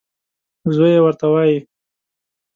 زوی یې ورته وايي .